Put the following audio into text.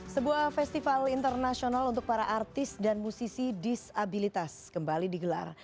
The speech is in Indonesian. sebuah festival internasional untuk para artis dan musisi disabilitas kembali digelar